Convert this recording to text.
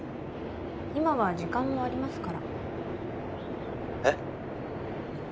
今は時間もありますから☎えっ？